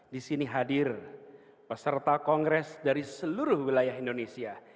di sini hadir peserta kongres dari seluruh wilayah indonesia